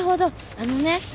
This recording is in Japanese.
あのね